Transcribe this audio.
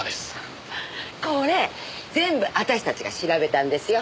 これ全部私たちが調べたんですよ。